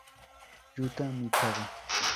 Yuta Mikado